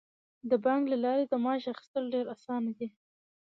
د بانک له لارې د معاش اخیستل ډیر اسانه دي.